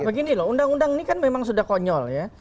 begini loh undang undang ini kan memang sudah konyol ya